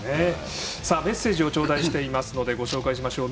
メッセージを頂戴していますのでご紹介しましょう。